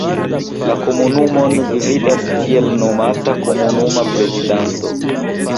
La komunumon gvidas tiel nomata komunuma prezidanto.